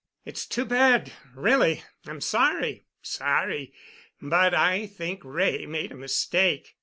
"It's too bad—really—I'm sorry, sorry, but I think Wray made a mistake.